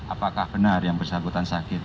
apakah benar yang bersangkutan sakit